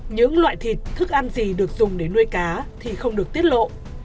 những loại thịt thức ăn gì được dùng để nuôi cá thì không được tiết lộ